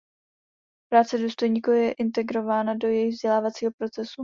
Práce důstojníků je integrována do jejich vzdělávacího procesu.